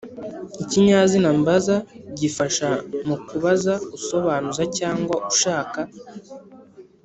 Ikinyazina mbaza gifasha mu kubaza usobanuza cyangwa ushaka